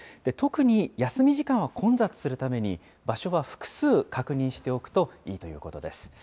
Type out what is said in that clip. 特に休み時間は混雑するために、場所は複数確認しておくといいということです。